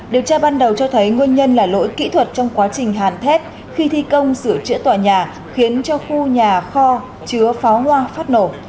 điều tra ban đầu cho thấy nguyên nhân là lỗi kỹ thuật trong quá trình hàn thét khi thi công sửa chữa tòa nhà khiến cho khu nhà kho chứa pháo hoa phát nổ